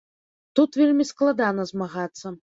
Тут вельмі складана змагацца.